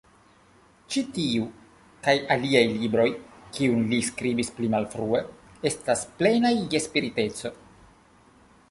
Ĉi tiu kaj aliaj libroj, kiujn li skribis pli malfrue, estas plenaj je spiriteco.